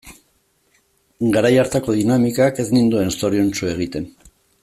Garai hartako dinamikak ez ninduen zoriontsu egiten.